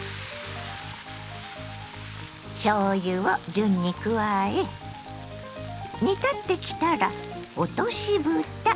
順に加え煮立ってきたら落としぶた。